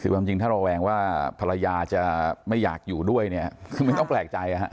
คือความจริงถ้าระแวงว่าภรรยาจะไม่อยากอยู่ด้วยเนี่ยคือมันต้องแปลกใจ